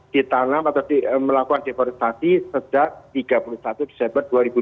ditanam atau melakukan deforestasi sejak tiga puluh satu desember dua ribu dua puluh